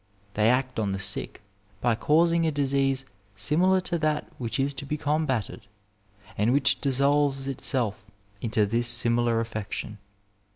They act on the sick by causing a disease similar to that which is to be combated, and which dissolves itself into this similar affection.